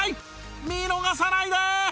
見逃さないで！